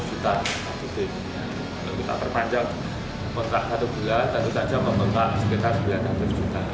kita perpanjang kontrak satu bulan satu tajam membengkak sekitar rp sembilan ratus juta